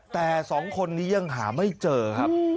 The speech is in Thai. แต่๒คนนี้ยังหาไม่เจอครับ